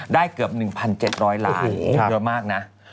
ได้เกือบ๑๗๐๐ล้านโดยมากนะ